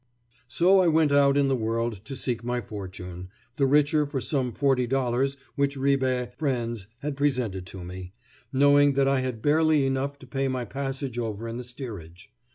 So I went out in the world to seek my fortune, the richer for some $40 which Ribe friends had presented to me, knowing that I had barely enough to pay my passage over in the steerage.